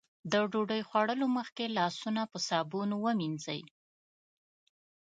د ډوډۍ خوړلو مخکې لاسونه په صابون ومينځئ.